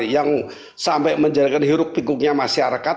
yang sampai menjadikan hiruk pikuknya masyarakat